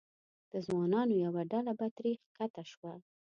د ځوانانو یوه ډله به ترې ښکته شوه.